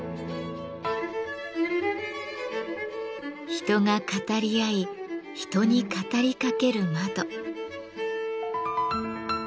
人が語り合い人に語りかける窓。